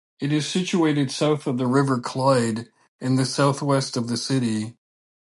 It is situated south of the River Clyde, in the south-west of the city.